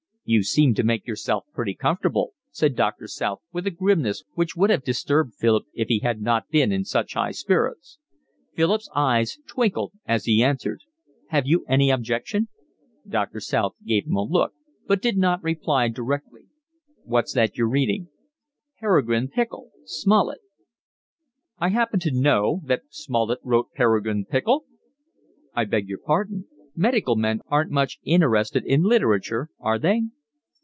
"You seem able to make yourself pretty comfortable," said Doctor South, with a grimness which would have disturbed Philip if he had not been in such high spirits. Philip's eyes twinkled as he answered. "Have you any objection?" Doctor South gave him a look, but did not reply directly. "What's that you're reading?" "Peregrine Pickle. Smollett." "I happen to know that Smollett wrote Peregrine Pickle." "I beg your pardon. Medical men aren't much interested in literature, are they?"